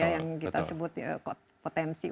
yang kita sebut potensi